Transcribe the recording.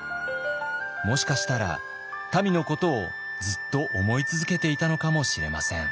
もしかしたらたみのことをずっと思い続けていたのかもしれません。